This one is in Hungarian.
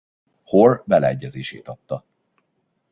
Hoare beleegyezését adta.